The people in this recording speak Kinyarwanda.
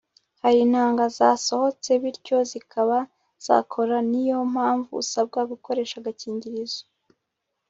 hari intanga zasohotse, bityo zikaba zakora, niyo mpamvu usabwa gukoresha agakingirizo